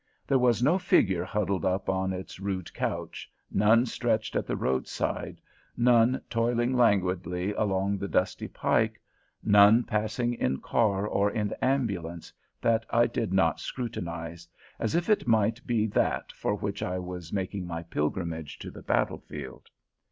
There was no figure huddled up on its rude couch, none stretched at the roadside, none toiling languidly along the dusty pike, none passing in car or in ambulance, that I did not scrutinize, as if it might be that for which I was making my pilgrimage to the battlefield.